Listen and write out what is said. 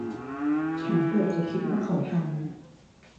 ฉันเกือบจะคิดว่าเขาทำ